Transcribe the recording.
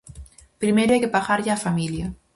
Primeiro hai que pagarlle á familia.